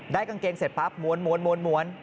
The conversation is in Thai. ได้กางเกงเสร็จปั๊บหมวน